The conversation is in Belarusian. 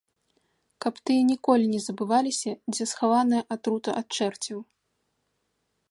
Каб тыя ніколі не забываліся, дзе схаваная атрута ад чэрцяў.